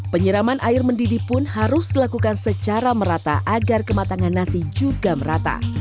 penyiraman air mendidih pun harus dilakukan secara merata agar kematangan nasi juga merata